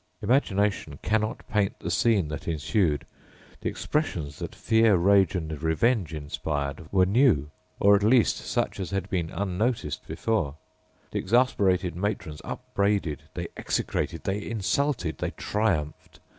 Imagination cannot paint the scene that ensued; the expressions that fear, rage, and revenge inspired, were new, or at least such as had been unnoticed before: the exasperated matrons upbraided, they execrated, they insulted, they triumphed.